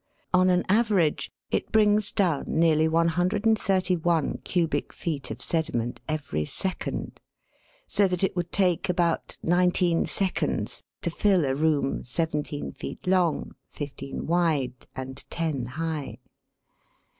On an average it brings down nearly 131 cubic feet of sediment every second, so that it would take about nineteen seconds to fill a room seventeen feet long, fifteen wide, and ten high.